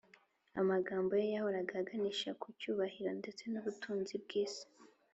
amagambo ye yahoraga aganisha ku cyubahiro ndetse n’ubutunzi bw’isi